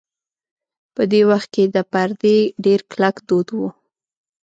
په دې وخت کې د پردې ډېر کلک دود و.